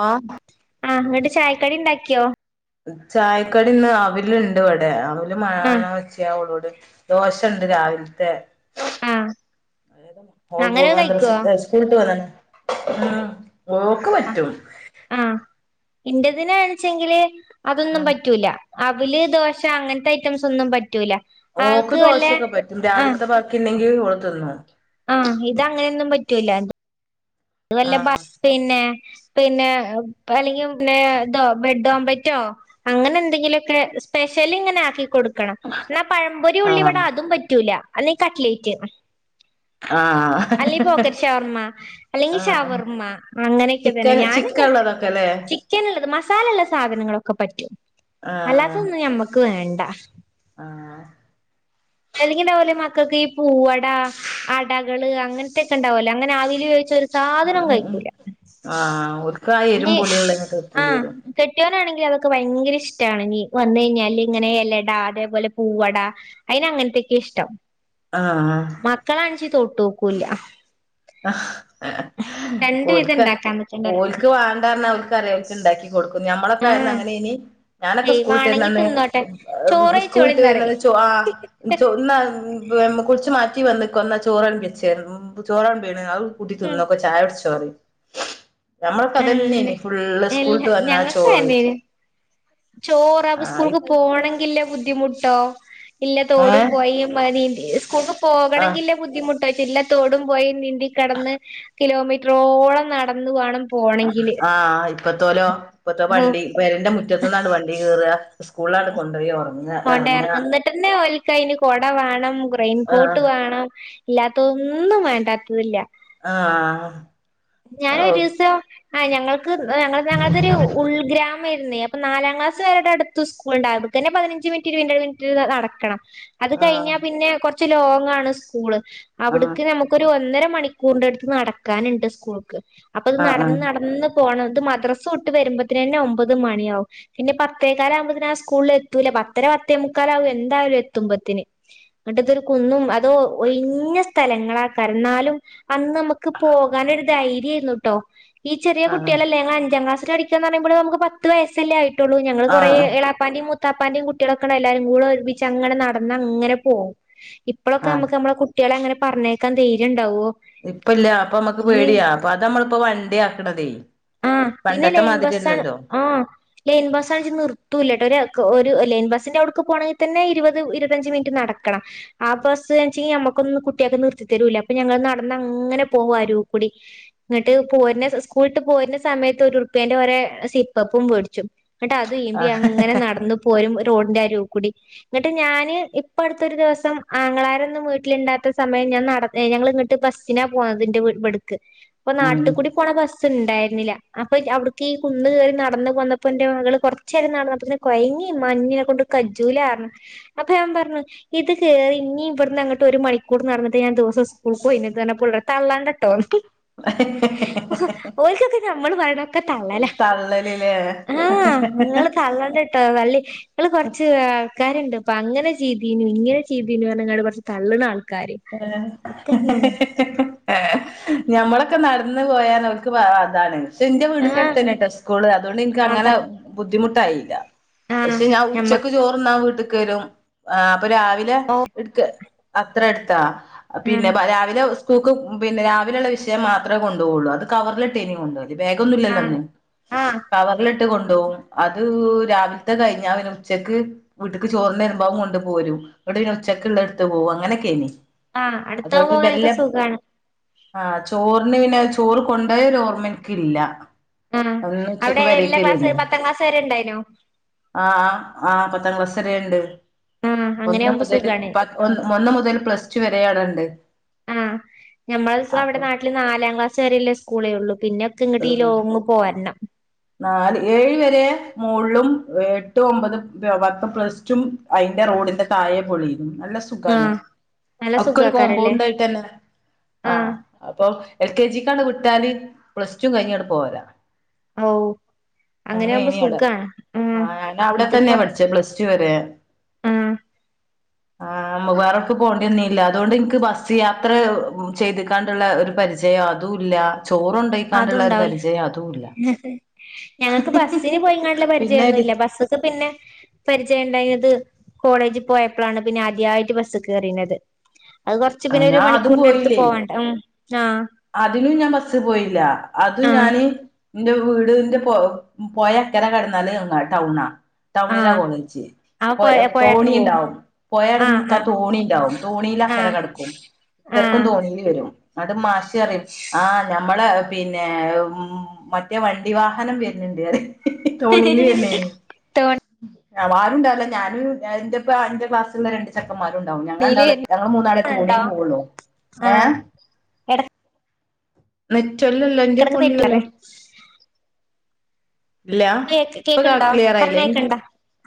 ആ... ആ അങ്ങട് ചായകടി ഉണ്ടാക്കിയോ ചായ കടി ഇന്ന് അവലുണ്ടിവിടെ അ [inaudible] ഇത് ആഹ് മാണോച്ച് ഞാൻ ഓളോട് ദോശയുണ്ട് രാവിലെത്തെ [inaudible] ആഹ് അങ്ങനെ [unintelligible] കഴിക്കുവോ മദർസ്ട്ട് യേ സ്കൂൾ ട്ട് വന്നാണ് ആ മോക്ക് പറ്റും ഇന്റെ തിനാ ണ്ച്ചേങ്കില് അതൊന്നും ആഹ് പറ്റൂല അവിൽ, ദോശ അങ്ങനത്തെ ഐറ്റംസ് ഒന്നും പറ്റൂല മോക്ക് ആൾക്ക് വല്ല ദോശയൊക്കെ പറ്റും ആഹ് രാവിലെത്തെ ബാക്കി ഉണ്ടെങ്കി [unintelligible] പറ്റുല്ലായിരുന്ന് ഇത് വല്ല പ ആഹ് പിന്നെ പിന്നെ അല്ലെങ്കിൽ പിന്നെ തോ ബഡ് ഓംപ്ലറ്റോ അങ്ങനെ എന്നെങ്കിലുമൊക്കെ സ്പെഷ്യൽ ഇങ്ങനെ ആക്കി കൊടുക്കണം എന്നാ പഴം പൊരി, ഉള്ളിവട ആഹ് അതും പറ്റൂല അല്ലെങ്കിൽ കട് ലറ്റ് ആഹ് അല്ലെങ്കിൽ പോക്കറ്റ് ഷവർമ്മ അല്ലെങ്കിൽ ആഹ് ആഹ് ഷവർമ്മ അങ്ങനെയൊക്കെ തന്നെ ചിക്കൻ ഞാനും ചിക്കൻ ഉള്ളതൊക്കെല്ലേ ചിക്കനുള്ളത്, മസാല ഉള്ള സാധനങ്ങളൊക്കെ പറ്റും ആഹ് അല്ലാത്തതൊന്നും ഞമ്മക്ക് വേണ്ട ആഹ് അല്ലെങ്കി ഇതേ പോലെ മ ക്കക്ക് ഈ പൂവട അടകൾ ഒക്കെ ഉണ്ടാവൂലേ അങ്ങനെ അവൽ സാധനവും ഉം ഉം ഉം കഴിക്കൂല ആഹ് ഓൽക്ക് ആ എരും പുളിയുള്ളത് ആ കിട്ടേണ്ടി വരും കെട്ടിയോൻ ആണെങ്കി ക്ക് ഭയങ്കര ഇഷ്ടമാണ്. വന്ന് കഴിഞ്ഞാൽ അട, പൂവട അതിന് അങ്ങനത്തെ യൊക്കെ ആണിഷ്ടം ആഹ് മത്ത [unintelligible] ക്കൂല വിധം ഇണ്ടാക്കാൻ നിക്കണ്ടല്ലോ ഓലക്ക് വേണ്ട ന്ന് പറഞ്ഞ ഓലക്കറിയാം ഓല്ക് ണ്ടാക്കി കൊടുക്കും ന്ന് ഞമ്മളൊക്കെ ആയന്ന് ആഹ് അങ്ങനെ നീ ഞാനൊക്കെ സ്കൂൾ വിട്ട് ദൈവാണെങ്കി തിന്നോട്ടെ വരുന്ന അന്ന് ചോറെയ്ച്ചോളിന്നറിം ആ ച്ചോ കുളിച്ചു മാറ്റി വന്നക്കോ ന്നാ ചോരാലമ്പി വെച്ചേരും അത് കൂട്ടി ത്തിന്നക്കോ ചായ ടുചോ പറയും ഫുള്ള് സ്കൂൾട്ട് വന്നാ ഞങ്ങൾക്കും ചോറ് അതന്നെനി ചോർ അപ്പൊ ആ സ്കൂൾ ക് പോണെങ്കി ള്ള ബുദ്ധിമുട്ട് ട്ടോ എല്ലാ ഏ തോട് പോയും സ്കൂൾ ക്ക് ആ പോകണങ്കി ല്ലേ ബുദ്ധി ഉള്ള തോട് പോഴാ നീന്തി കിട ന്ന് കിലോമീറ്റർ ആ ഇപ്പത്തൊലോ ഹോ പെരന്റെ മുറ്റത് നാൻഡ് വണ്ടി കേറാ സ്കൂൾ ലാൻഡ് കൊണ്ടോയി എറയ്ക്ക ന്നിട്ടെന്നേ ഓലക്ക് [unintelligible] കൊട വേണം. റെയിൻ കോട്ട് ആ വേണം. ഇല്ലാത്തതൊന്നും വേണ്ടാത്തതില്ല. ആഹ് ഓ ഞാനൊരൂസം ആഹ് ഞങ്ങള് ക്ക് ഞങ്ങൾക്കൊരു ഉൾഗ്രാമ [unintelligible] അപ്പൊ നാലാം ക്ലാസ്സ്‌ വരെ അടുത്ത് സ്കൂളുണ്ടാരുന്നു. അവിടത്തന്നെ പതിനഞ്ചു മിനിറ്റ് ഇരുപത് മിനിറ്റ് നടക്കണം. അത് കഴിഞ്ഞ ആഹ് പിന്നെ കൊറ ച്ച് ലോങ്ങാണ് സ്കൂള്. ആഹ് അവിടക്ക് ഞമ്മക്കൊരു ഒന്നര ന്ന് മണിക്കൂറിന്റെ അടുത്ത് നടക്കാന്ണ്ട് ഇസ് സ്കൂൾക്ക് അപ്പത് ആഹ് ആഹ് നടന്ന് നടന്ന് പോണം ഇത് മദ്രസ്സ വിട്ടു വരുമ്പോത്തിനെന്നെ ഒമ്പത് മണി ആവും, പിന്നെ പത്തേകാല് ആവുമ്പോത്തിന് സ്കൂളിൽ എത്തൂല പത്തര പത്തേ മുക്കാലാവും എന്തായാലും എത്തുമ്പത്തിന്, ഇന്നിട്ട് ഇതൊരു കുന്നും അതോ ഒയിഞ്ഞ സ്ഥലങ്ങളാ കര്ഞ്ഞാലും അന്ന് നമ്മക്ക് പോകാനൊര്ത് ധൈര്യം ആയിരുന്നൂട്ടോ ഈ ചെറിയ ആഹ് കുട്ട്യേളല്ലേ ഞങ്ങളഞ്ചാം ക്ലാസ്സില് പഠി [unintelligible] പറയ്മ്പളും ഞമ്മക്ക് പത്തു വയസ്സല്ലേ ആയി ട്ടുള്ളൂ ഞങ്ങള് കൊറേ ആഹ് ആഹ് എളാപ്പാൻ്റീം മൂത്ത് ത്താപ്പൻ്റിം കുട്ടിളൊക്കാണ്ട് എല്ലാരും കൂടെ ഒരുമിച്ചങ്ങനെ നടന്നങ്ങനെ പോവും ഇപ്പ്ളൊക്കെ ആഹ് നമ്മക്ക് നമ്മളെ കുട്ടിയളെങ്ങനെ പർഞ്ഞയക്കാൻ ധൈര്യ ഇണ്ടാവോ? ഇപ്പം ഇല്ല്യ ഇപ്പം ഇമ്മക്ക് പേടിയാ. പ്പതാ നമ്മള്പ്പം വണ്ടി ആക്ക്ണതെ ആ പിന്നെ ലെയിൻ ബസ്സാണ് ആ ലെയിൻ ബസ്സാണ്ച്ച് നിർത്തൂല്ല്യട്ടോ ഒര് ക് ഒര് ലെയിൻ ബസ് സ്സിൻ്റെ ഔട്ക്ക് പോണെങ്കി തന്നെ ഇരുവത് ഇരുവത്തഞ്ച് മിൻറ്റ് നടക്കണം ആ ബസ്സ്ച്ചിയിഞ്ഞാ അമ്മക്കൊന്നു കുട്ടിയേക്കൊന്നും നിർത്തി തരൂല്ല്യ അപ്പം ഞങ്ങള് നട്ന്നങ്ങനെ പോവു അരൂകൂടി ഇന്നട്ട് പോര്ണ സ് സ്കൂള് ട്ട് പോര്ണ സമയത്ത് ഒരുർപിയേൻ്റെ ഒരേ സിപ്പപ്പും വേട്ച്ചും. ഇന്നട്ട് അത് ആഹ് ഈമ്പിയങ്ങനെ നടന്ന് പോരും ഒര് റോഡിൻ്റെ അരൂകുടി ഇന്നട്ട് ഞാന് ഇപ്പ അട്ത്തൊര് ദിവസം ആങ്ങളാരൊന്നും വീട്ടില്ണ്ടാത്ത സമയം ഞാൻ നടന്ന് ഞങ്ങള് ങ്ങട്ട് ബ്ബസ്സിലാ പോന്നത് ൻ്റെ വീ ബട്ക്ക് ക്ക് പ്പം ഉം ന്നാട്ട് ക്കൂടി പോണ ബസ് ത്ത് ണ്ടായിര്ന്നില്ല അപ്പ അവർക്കീ കുന്ന്കേറി നടന്ന് വന്നപ്പൻ്റെ മകള് കൊർച്ചേരം നട്ന്നപ്പത്തിന് കൊയഞ്ഞീ മ്മാ ഞിന്നെ കൊണ്ട് കജ്ജൂലർന്നു അപ്പം ഞാൻ പർഞ്ഞു ഇത് കേറി ഞ്ഞിം ബട്ന്നങ്ങട്ട് ഒരു മണിക്കൂറ് നടന്ന്ട്ട് ഞാൻ ദിവസം സ്കുൾക്ക് പോയിന്യത് പർഞ്ഞപ്പൊ തള്ളണ്ടട്ടോ ഇതൊക്കെ ഞമ്മള് പറേണ ക്ക തള്ളലാ തള്ളലില്ലേ ആ ങ്ങള് തള്ളണ്ടട്ടോ തള്ളി ങ്ങള് കൊർചി ക്കാര്ണ്ട് പ്പ അങ്ങന ചെയ്തീനി ഇങ്ങനെ ചെയ്തീനർഞ്ഞു ങാണ്ട് കൊർച് തള്ള്ണ ആൾക് [inaudible] ഞമ്മളൊക്കെ ന്നട്ന്ന് പോയർഞ ഓൽക്ക് പ അ അതാണ് ക്ഷെ ൻ്റെ ആഹ് വീട്ൻ്റട്ത്തെന്നെട്ടൊ സ്കുള് അതോണ്ട് ഇൻക്ക് അതാ അങ്ങനെ ബുദ്ധിമുട് ട്ടായില ആഹ് പക്ഷെ ഞാം ഉച്ചക്ക് ഞമ്മക്ക് ചോറ് ന്നാം വീട്ട്ക്ക് ക്കെരും [unintelligible] രാവിലെ ഇട്ക്ക് അത്ര എട്ത് ത്താ പിന്നെ ആഹ് പ രാവിലെ ഉസ് കൂകു പിന്നെ രാവിലെ ള്ള വഷയം മാത്രേ കൊണ്ടോഒള്ളൂ അത് കവർല്ട്ടേനി കൊണ്ടോല് ആഹ് ബേഗൊന്നുല്ല്യയന്ന് ആഹ് കവർല് ട്ട് കൊണ്ടോഉം അത് രാവിലത്തെ കഴിഞ്ഞാ പിന്നെ ഉച്ചക്ക് വീട്ട്ക്ക് ചോർന് എരുമ്പം അഉം കൊണ്ട് പോലും ങ്ങട്ട് പിന്നെ ഉച്ചക്ക്ള്ള ഇട്ത്ത് പോഉം അങനൊക്കേനി ആ അട്ത്താഉബോ ങ്ങനൊക്കെ സുഖാണ് ആ ചോർന് പിന്നെ ചോറ് കൊണ്ടോയരൊർമ ഇൻക്ക്ല്ല ആ അവിടെ എല്ലാ ക്ലാസ്സ് പത്താം ക്ലാസ് എരെ ഇണ്ടായിനിഓ? ആ ആ പത്താം ക്ലാസ്സ് രേ ണ്ട് ഒന്ന് അങ്ങനെയാവുമ്പോ മുതല് സുഖാണ് പ ഒന്ന് മുത്തല് പ്ലസ് [unintelligible] ആ ഞമ്മൾ സോ അവിടെ അപ്പൊ നാട്ടിൽ നാലാം ക്ലാസ്സിൽ ചെറിയുള്ളെ സ്കൂളെ ഉള്ളു പിന്ന ഒക്കെ ഇങ്ങട്ട് ലോങ്ങ്‌ പോരണം നാല് ഏഴ് വരെ മോളും എട്ട് ഒമ്പത് പത്ത് പ്ലാസ്റ്റും അയിന്റെ മോളിലെ താഴെ പൊളിയും നല്ല സുഗാണ് ആഹ് നല്ല ഒക്കെ ഒരു സുഖാക്കാരല്ലേ കൊമ്പോണ്ട് ആയിട്ടന്നെ ആഹ് എൽക്കേജിക് ആൻഡ് വിട്ടാൽ പ്ലാസ്റ്റും കഴിഞ്ഞ് ണ്ട് പോരാ ഔ അങ്ങനെയാവുമ്പോ അങ്ങനെയിനി ആടെ സുഖാണ് ആഹ് ഞാൻ ഔടെ തന്നെ ഇതിപ്പം പഠിച്ച പ്ലാസ്റ്റ് വരെ ആഹ് ആ ഉആറക്ക് പോണ്ടി ന്നില്ല അതോണ്ട് ഇന്ക് ബസ്സ്‌ യാത്ര ചെയ്ത് കാണ്ട്ള്ളെ ഒരു പരിജയം അതുല്ല ചോർ കൊണ്ടോയിക്കാണ്ട് ള്ളെ ഒരു പരിജയം അതുല്ല ഞാക്ക് ബസ്സ്‌ന് പോയിങ്ങാണ്ടുള്ള പിന്നെ പരിചയന്നും ല്ല ബസ്സ്‌ ത്തെ പിന്നെ പരിജയ ഏത് കോളേജിപ്പോയപ്ലാണ് പിന്നെ അദ്ധ്യാറ്റ് ബസ്സ്ക്കേറീഞ്ഞത് അത്കൊർച്ച് പിന്നൊരു മണിക്കൂറിന്റട്ത് പോവണ്ട് ഉം ആഹ് അതിനുഞാ ബസ്സ് പോയീല്ല അത് ആഹ് ഞാന് ൻ്റ വീട്ൻ്റ പൊ പോയാ അക്കലെ കടന്നാല് ടൗണാ ടൗണിലാ ആഹ് പോന്നേച്ച് ആ പൊയ പൊഴാട്ന്ന് പോവും തോണിയിണ്ടാവും ആഹ് പൊയർങ്ങത്താ ആഹ് തോണി ഇണ്ടാവും തോണിലക്കരെ ആഹ് കടക്കും തെർക്കൻ ആഹ് തോണീയില് വരും അട് [unintelligible] ആ നമ്മളെ പിന്നേ മ് മറ്റേ വണ്ടിവാഹനം വര്ണ്ണ്ണ്ട് പറയും തോണിയിലന്നേ [unintelligible] ചെക്കമ്മാരൂണ്ടാവും ഞങ്ങൾ തോണിയില് രണ്ടാള് ഞങ്ങൾ മൂന്നാള് ണ്ടോ തോണീപ്പോവൊള്ളൂ ഏ ആഹ് എട വെ [unintelligible] ൻ്റെ എടക്ക് നെറ്റ് പോണില്ലല്ലോ ഇപ്പ കേക്ക് കേക്ക്ണ്ടോ ക്ലിയർ ആയില്ലേ പറയണേക്ക്ണ്ടോ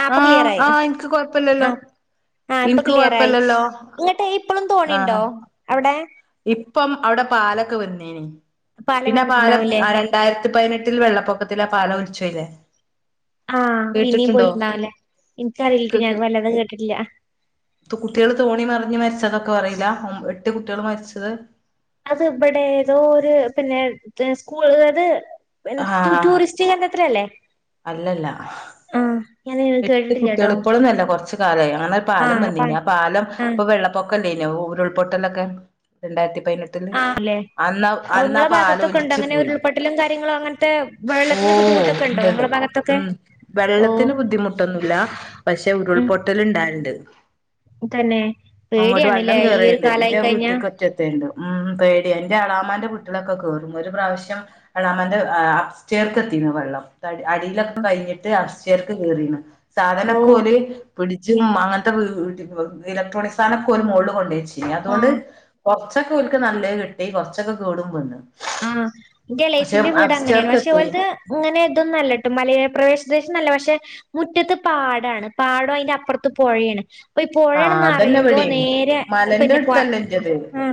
ആഹ് ഇപ്പ ക്ലിയറായി ആഹ് എനിക്ക് കൊഴപ്പില്ലല്ലോ ആഹ് ആഹ് ഇപ്പ എനിക്ക് ക്ലിയറായി കൊഴപ്പില്ലല്ലോ ന്നിട്ട് ഇപ്പളും തോണിണ്ടോ ആഹ് അവ്ടെ ഇപ്പം അവ്ടെ പാലക്കെ വന്നീനി പാല പിന്നാപ്പാലം വന്നിട്ടുണ്ടാവില്ലേ ഏഹ് രണ്ടായിരത്തിപ്പയിനട്ടിൽ വെള്ളപ്പൊക്കത്തില പാലോൽചോയിലെ ആഹ് പിന്നിം കേട്ടിട്ടുണ്ടോ പോയിട്ടുണ്ടാവില്ലേ ഇൻക്കറിയില്ലട്ടോ കെക് ഞാൻ വല്ലാതെ കേട്ടിട്ടില്ല കുട്ട്യാള് തോണി മറിഞ്ഞ് മരിച്ചതൊക്കെ പറയുലാ ഒം എട് [unintelligible] കുട്ട്യോള് മരിച്ചത് അത് ഇബിടെ ഏതോ ഒര് പിന്നെ [unintelligible] [unintelligible] ടു ആഹ് ടൂറിസ്റ്റ് കേന്ദ്രത്തിലല്ലേ അല്ലല്ല ആഹ് ആഹ് ഞാന് എട്ട് കേട്ടിട്ടില്ലട്ടോ കുട്യാള് ഇപ്പളൊന്നും അല്ല കൊറച്ച് കാലായി അങ്ങനെ ഒരു പാലം ആഹ് അപ്പ വന്നീനി ആ പാലം ആഹ് ഇപ്പൊ വെള്ളപ്പൊക്ക- [unintelligible] ഉരുൾപൊട്ടലൊക്കെ. രണ്ടായിരത്തി പ ആ ലെ. [unintelligible] ങ്ങളെ പാലം ഭാഗത്തൊക്കെണ്ടോ ഒലിച്ചു അങ്ങനെ പോയി ഉരുൾപൊട്ടലും കാര്യങ്ങളും അങ്ങനത്തെ ഓ വെള്ളത്തിന് ബുദ്ധിമുട്ടൊക്കെണ്ടോ ഉണ്ട്ണ്ട് ങ്ങളെ ഭാഗത്തൊക്കെ ഓഹ് ബുദ്ധിമുട്ടൊന്നുല്ല. പക്ഷെ ഉം ഉരുൾപൊട്ടല്ണ്ടാല്ണ്ട് തന്നെ അങ്ങട്ട് വെള്ളം പേടിയാണ്ല്ലേ ഈ ഒരു കേറൽണ്ട്. കാലായി ന്റെ കഴിഞ്ഞാ വീട്ടിക്കൊക്കെ എത്തൽണ്ട്. ഉം പേടിയാ. ന്റെ എളാമന്റെ വീട്ടിലൊക്കെ കേറും. ഒരു പ്രാവശ്യം എളാമന്റെ ഏഹ് അപ്പ്‌സ്റ്റൈറ്ക്കെത്തീന് വെള്ളം [unintelligible] അടിലൊക്കെ കഴിഞ്ഞിട്ട് അപ്സ് [unintelligible] കേറീണ് സാധനൊക്കെ ഓഹ് ഓല് പിടിച്ചു മാ [unintelligible] അങ്ങൻത്ത വീട്ട്ക്ക് വെ ഇലക്ട്രോണിക്സ് സാനൊക്കൊല് മോളില് കൊണ്ടെയെച്ച്. അതോണ്ട് ആഹ് കൊർച് ച്ച ക്കോൽക്ക് നല്ലഅ് കിട്ടി. കൊറച്ചൊക്കെ കേടും വന്ന്. ആ. ന്റെ പക്ഷെ എളേച്ചിന്റെ വീട് അങ്ങനെണ്. അപ്സ്റ്റേർക്ക് പക്ഷെ എത്തീനി ഓൽത് ഇങ്ങനെ തൊന്നും അല്ലട്ടോ മലയോര പ്രദേശ ത്ത് ന്നൊല്ല. പക്ഷെ മുറ്റത്ത് പാടാണ് പാടും അയിന്റപ്പർത്തു പോഴേണ്. അപ്പൊ ഈ പൊഴേണ് ആഹ് അതന്നെ നറിമ്പൊ ഇവിടേം നേരെ മലന്റെ പിന്നെ പൊ അടുത്തല്ല ഇന്റത് ആ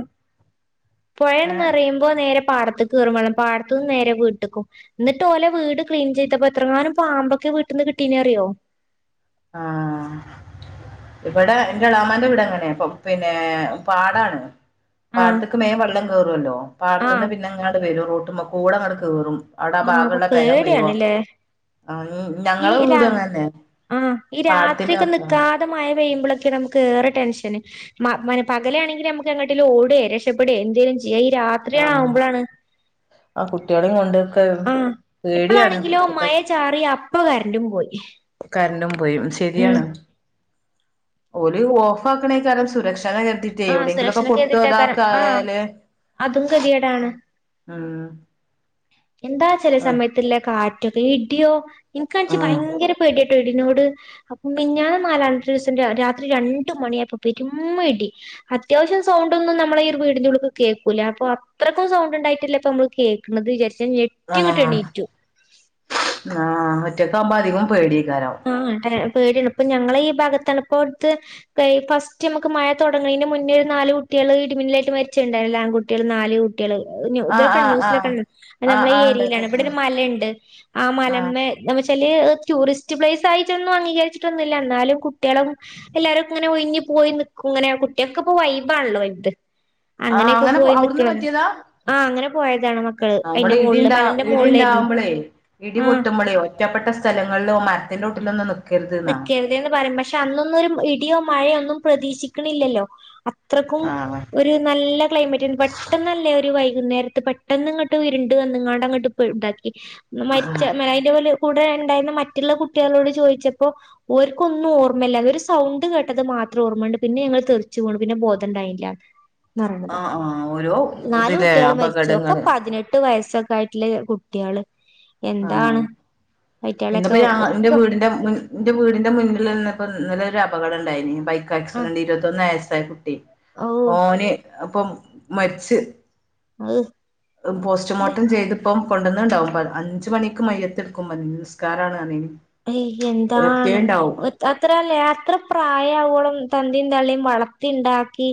പൊഴങ്ങട്ട് ഏഹ് നെറയുമ്പോ നേരെ പാടത്ത്ക്ക് കേറും വള്ളം പാടത്തിന്ന് നേരെ വീട്ടിക്കും. ന്നട്ട് ഓലെ വീട് ക്ലീൻ ചെയ്തപ്പോ എത്രങ്ങാനും പാമ്പൊക്കെ വീട്ടിന്ന് കിട്ടീനെറിയോ ആ ഇവിടെ ന്റെ എളമാന്റെ വീട് അങ്ങനെയാപ്പം പിന്നെ പാടാണ്. ആഹ് പാടത്ക്ക് മേം വെള്ളം കേറുല്ലോ പാടത്തിന്ന് ആഹ് പിന്നെങ്ങട് വേരൊ റോ ഡ് മ്മക്കൂടെ ങ്ങട്ട് കേറും അടെ ആ ആഹ് അപ്പൊ ഭാഗള്ളെ പെര മുയുവം പേടിയാണ്ല്ലേ ആ ഞങ്ങളെ വീടും അങ്ങനെന്നെ ആ ഈ രാത്രിക്കെ നിക്കാതെ മയ പെയ്യുമ്പള് ത്രിയൊക്കെ നമുക്ക് ഏറെ ടെൻഷന്. പകലാണെങ്കില് നമുക്ക് എങ്ങട്ടെങ്കിലും ഓടെ, രക്ഷപ്പെടെ എന്തേലും ചെ യ്യ ഈ രാത്രി ആ ആവുമ്പഴാണ് ആ കുട്ടികളെയും കൊണ്ടൊക്കെ ആ പേടിയാണ് ഇപ്പളാണെങ്കിലോ ഇപ്പത്തെ മഴ ചാറിയ അ - പ്പോ കറൻറ്റും പോയി കറൻറ്റ് പോയിം ഉം ശെരിയാണ് ഓല് ഓഫാക്കണയിക്കാരം സുരക്ഷ ആ സുരക്ഷനെ കരുതീട്ടായിക്കരം ആ ഇതാക്കായാല് അതും ഗതികേടാണ് ഉം എന്താ ചെല സമയത്ത്ള്ള കാ- റ്റൊ ഇട്യോ ഇൻക്കാച് ആ ഭയങ്കര പേടിയ ഇടിനോട് അപ്പം മിഞ്ഞാന്ന് നാലാമത്തെ ദീസം ര രാത്രി രണ്ട് മണിയായപ്പം പെരും ഇടി അത്യാവശ്യം സൗണ്ടൊന്നും നമ്മലൊരു വീടിന്റെ ഉള്ള്ക്ക്കേൾക്കുല അപ്പൊ അത്രക്കും സൗണ്ട്ണ്ടായിട്ടല്ലേ മ്മള് കേൾക്ക്ണത് വിചാരിച്ച് ആഹ് ഞെട്ടിയങ്ങട്ട് എണീറ്റു ആഹ് ഒറ്റ് റ്റക്കാവുമ്പോ അതികോം പേടി ആ ട്ടേ പേടിയാണ് ഇപ്പഞങ്ങളെ ഈ ഭാഗത്താണ് ഇപ്പോ അടുത്ത് പെയ് ഫാസ്റ്റമ്മക്ക് മഴ തൊട്ങ്ങ്ണേനു മുന്നേരു രു നാല് കുട്ട്യേള് ഇടിമിന്നലേറ്റ് മര്ചെണ്ടായിണല്ലോ ആൺകുട്ട്യേള് നാല് കു ട്ട്യേള് ഇനു ആഹ് തൊക്കെ ആഹ് ആഹ് ന്യൂസിലൊക്കെ അത് ആഹ് നമ്മളെ ഈ ആഹ് ഏര്യേലാണ് ഉണ്ടാക്കിട്ട്ണ് ഇബടൊരു മലണ്ട് ആ ആഹ് മലമ്മേ ന വല്യേ ടുറിസ്റ്റ് റ്റ് പ്ലെയിസ് ആയിട്ടൊന്നും അങ്ങികരിച്ചിട്ടൊന്നുവില്ല ന്നാലും കുട്ട്യേളെ എല്ലാരൊക്കെങ്ങനെ ഒഴിഞ്ഞുപോയി നിക്കുങ്ങനെ കുട്ട്യേക്ക് പ്പൊ വൈബ് ആണല്ലോ വൽത് ആഹ് അങ്ങനൊക്കെ അങ്ങനെ പോയി നിക്ക്ണത് ആഹ് അങ്ങനെ പോയെ അമള് ഇടിണ്ടാ ഇടിണ്ടാവുമ്പളെ ആഹ് ഇടിപൊട്ടുമ്പളെ ഒറ്റപ്പെട്ട സ്ഥലങ്ങളിലും മര് ത്തിന്റോട്ടിലൊന്നും നി നിക്കര്ത് ന് പറയു പക്ഷേ അന്നൊന്നും ഒരു ഇടിയോ മഴ ഒന്നും പ്രതീക്ഷിക്ക്ണില്ലല്ലോ അ ത്രക്കും ആഹ് ഒര് നല്ല ക്ലൈമറ്റേനി പെട്ടന്നല്ലേ ഒരു വൈ ഇന്നേരത് പെട്ടന്ന്ങ്ങട്ട് ഉരുണ്ട് വന്ന്കാണ്ട് അങ്ങട്ട് താക്കി ക്കി ആഹ് മര്ച്ച മേ അയിന്റെമ്മല് കൂടെണ്ടായീന്ന മറ്റ്ള്ള കുട്ട്യേളോട് ചോയ്ച്ചപ്പൊ പ്പൊ ഓര്ക്കൊന്നും ഓർമല്ല ഒരു സൗണ്ട് കേട്ടത് മാത്രം ഓർമണ്ട് പിന്നെ ഞങ്ങള് തെറിച്ച് പോവാണ് പിന്നെ ബോധണ്ടായില ന്നാറിണത് ആഹ് ആഹ് ഓരോ നാല് ഇതിലെ കുട്ട്യേള് മരിച്ചു ഒക്കെ അപകടങ്ങള് പതിനെട്ട് വയവസൊക്കെ ക്കായിട്ടിലെ കുട്ട്യേള് ആഹ് അയിറ്റകളൊക്കെ ഇന്ന്പ്പം ഞാ ഇന്റെ ഒക്കെ വീടിന്റെ മു ന്റെ വീടിന്റെ മുന്നില്ന്നപ്പോ ഇന്നലൊരു അപകടണ്ടായീനി ബൈക് കാക്സിഡന്റെ ഇരൊതൊന്ന് വയസ് [unintelligible] ഹെ ആ ഓ ഓന് അപ്പം മര്ച് അത് പോസ്റ്റ്‌മാർട്ടം ചെയ്ത് പ്പം കൊണ്ടന്ന്ണ്ടാവും പ്പന്ജ് ന്ജ് മണിക്ക് മയ്യിത്ത്ട്ക്കും പറ്ഞീനി നിസ്കാരാണ് പർഞീനി ഹയ് എന്താണ് ഒത് അത്രല്ലേ അത്ര പ്രായാവോളം തന്തീം‌ തളളീം വളർത്തിണ്ടാക്കി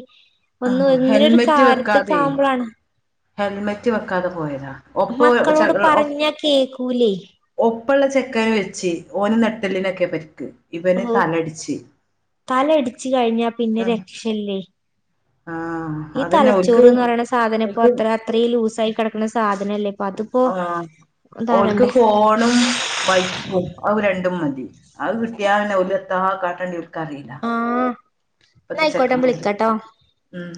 ഒന്നു ഒന്നു രണ്ടി കാര്യത്തിക്കാകുമപ്പഴാണ് ഹെൽമെറ്റു വെക്കാതെ പോയതാ മക്കളോടു ഒപ്പ പറഞ്ഞാ കേക്കൂല്ലേ ഇപ്പോള്ള ചെക്കനെ വെച്ചി ഓനെ നട്ടെല്ലിനൊക്കെയാ പരിക്ക് ഇവന് ഓ തലടിച്ച് തലയിടിച്ചു കഴിഞ്ഞാ പിന്നെ രക്ഷയില്ലേ ആഹ് ഈ അതന്നെ ഓൽക്ക് തലച്ചോറീന്നു പറയണ സാധനം ഇപ്പ ഓൽക്ക് അത്ര അത്രേം ലൂസായി കെടക്കണ സാധനല്ലേ അപ്പതിപ്പോ ആഹ് ഓൽക്ക് ഇതാകണ്ടേ ഫോണും അതു കിട്ടിയാ തന്നെ ഓൽക്ക് എത്താ കാട്ടണ്ട്യ ക്കറീല്ല ആഹ് ന്നായിക്കോട്ടെ വിളിക്കാട്ടോ ഉം